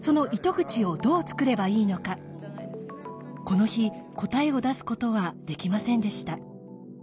この日答えを出すことはできませんでした。